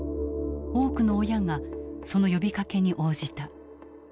多くの親がその呼びかけに応じた。